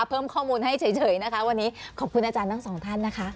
เพิ่มข้อมูลให้เฉยนะคะวันนี้ขอบคุณอาจารย์ทั้งสองท่านนะคะ